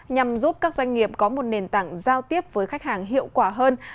nhằm giúp các doanh nghiệp có một nền tảng giao tiếp với khách hàng hiệu quả hơn